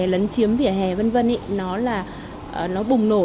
lấn chiếm vỉa hè v v nó là nó bùng nổ